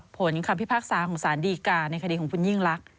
คำพิพากษาของสารดีกาในคดีของคุณยิ่งลักษณ